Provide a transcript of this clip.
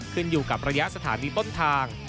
ขึ้นอยู่กับระยะสถานีต้นทาง